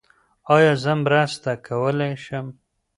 ایا زه مرسته کولي شم؟